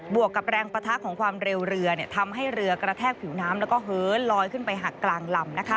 วกกับแรงปะทะของความเร็วเรือทำให้เรือกระแทกผิวน้ำแล้วก็เหินลอยขึ้นไปหักกลางลำ